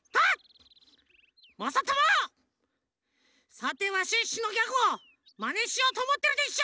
さてはシュッシュのギャグをまねしようとおもってるでしょ！？